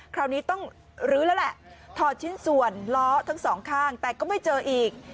คราวนี้ต้องลื้อแล้วแหละถอดชิ้นส่วนล้อทั้งสองข้างแต่ก็ไม่เจออีก